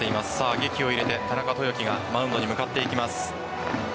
げきを入れて田中豊樹がマウンドに向かっていきます。